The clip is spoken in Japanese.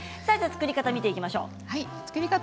作り方を見ていきましょう。